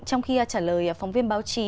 trong khi trả lời phóng viên báo chí